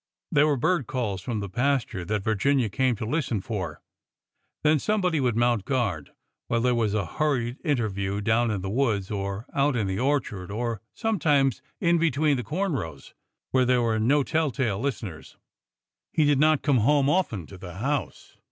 There were bird calls from the pasture that Virginia came to listen for. Then somebody would mount guard while there was a hurried interview down in the woods or out in the orchard, or, sometimes, in between the corn rows, where there were no telltale listeners. He did not come often to the house.